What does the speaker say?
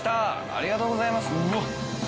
ありがとうございますうわ！